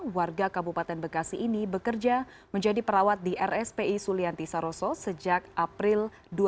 seribu sembilan ratus delapan puluh dua warga kabupaten bekasi ini bekerja menjadi perawat di rspi sulianti saroso sejak april dua ribu enam